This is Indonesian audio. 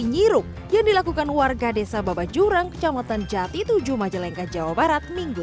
nyirup yang dilakukan warga desa babajurang kecamatan jati tujuh majalengka jawa barat minggu